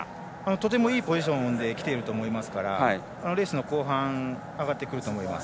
とてもいいポジションにいると思いますから後半に上がってくると思います。